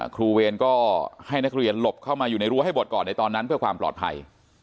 เวรก็ให้นักเรียนหลบเข้ามาอยู่ในรั้วให้หมดก่อนในตอนนั้นเพื่อความปลอดภัย